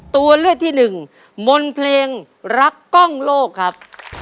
ตัวเลือกที่หนึ่งมนต์เพลงรักกล้องโลกครับ